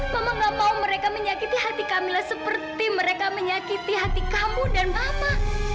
mama gak mau mereka menyakiti hati kamilah seperti mereka menyakiti hati kamu dan bapak